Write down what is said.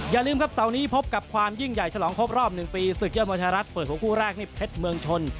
อย่าลืมครับเสาร์นี้พบกับความยิ่งใหญ่ฉลองครบรอบ๑ปีศึกยอดมวยไทยรัฐเปิดหัวคู่แรกนี่เพชรเมืองชน